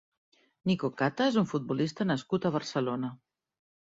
Niko Kata és un futbolista nascut a Barcelona.